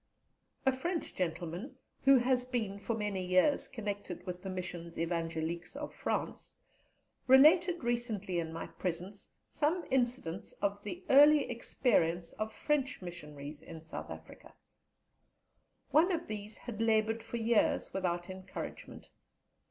A French gentleman, who has been for many years connected with the Missions Evangéliques of France, related recently in my presence some incidents of the early experience of French Missionaries in South Africa. One of these had laboured for years without encouragement.